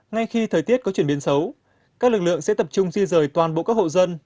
ngay khi thời tiết có chuyển biến xấu các lực lượng sẽ tập trung di rời toàn bộ các hộ dân